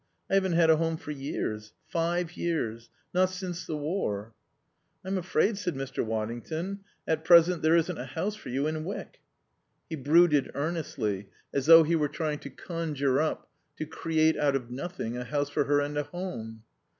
I haven't had a home for years. Five years. Not since the war." "I'm afraid," said Mr. Waddington, "at present there isn't a house for you in Wyck." He brooded earnestly, as though he were trying to conjure up, to create out of nothing, a house for her and a home.